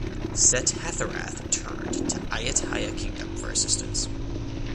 Setthathirath turned to Ayutthaya Kingdom for assistance.